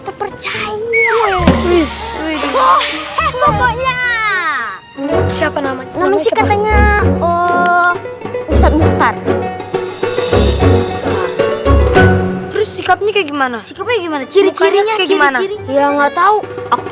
terus sikapnya kayak gimana sikapnya gimana ciri cirinya kayak gimana ya nggak tahu aku